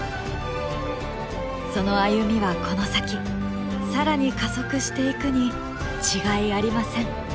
その歩みはこの先更に加速していくに違いありません。